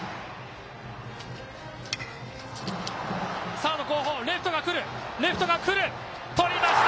サード後方、レフトが来る、レフトが来る、捕りました。